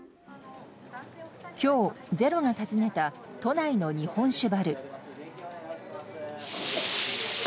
きょう、ｚｅｒｏが訪ねた都内の日本酒バル。